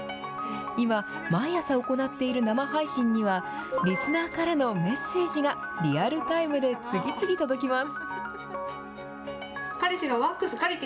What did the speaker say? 今、毎朝行っている生配信には、リスナーからのメッセージがリアルタイムで次々届きます。